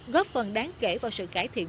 góp phần đáng kể vào sự cải thiện